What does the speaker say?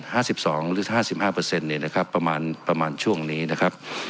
ห้าสิบสองหรือห้าสิบห้าเปอร์เซ็นต์เนี่ยนะครับประมาณประมาณช่วงนี้นะครับ